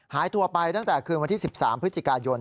หายตัวไปตั้งแต่คืนวันที่๑๓พฤศจิกายน